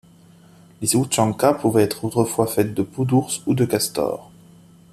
Les ouchankas pouvaient autrefois être faites de peau d'ours ou de castor.